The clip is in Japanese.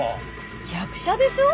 役者でしょ？